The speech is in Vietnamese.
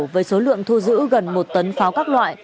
với số lượng thu giữ gần một tấn pháo các loại